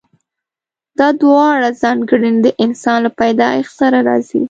دا دواړه ځانګړنې د انسان له پيدايښت سره راځي.